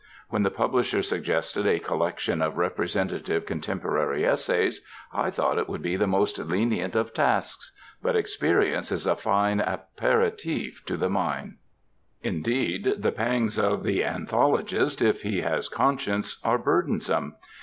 When the publisher suggested a collection of representative contemporary essays, I thought it would be the most lenient of tasks. But experience is a fine aperitive to the mind. Indeed the pangs of the anthologist, if he has conscience, are burdensome.